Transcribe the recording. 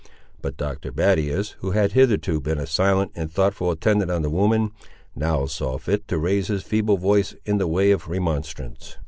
But Dr. Battius, who had hitherto been a silent and thoughtful attendant on the woman, now saw fit to raise his feeble voice in the way of remonstrance.